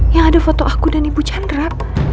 yang ada foto aku dan ibu chandra